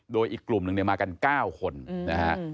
โดยอีกกลุ่มหนึ่งมากันเก้าคนนะฮะ